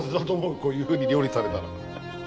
こういうふうに料理されたら。